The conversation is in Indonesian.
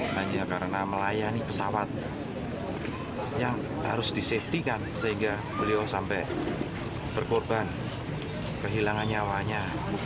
hanya karena melayani pesawat yang harus disafety kan sehingga beliau sampai berkorban kehilangan nyawanya